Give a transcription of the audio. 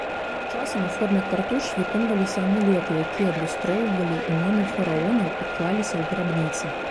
Часам у форме картуш выконваліся амулеты, якія адлюстроўвалі імёны фараонаў і клаліся ў грабніцы.